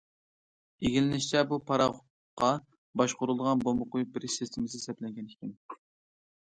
ئىگىلىنىشىچە، بۇ پاراخوتقا باشقۇرۇلىدىغان بومبا قويۇپ بېرىش سىستېمىسى سەپلەنگەن ئىكەن.